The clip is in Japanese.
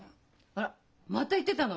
あらまた行ってたの？